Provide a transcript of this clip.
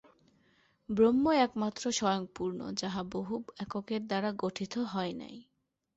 ব্রহ্মই একমাত্র স্বয়ংপূর্ণ, যাহা বহু এককের দ্বারা গঠিত হয় নাই।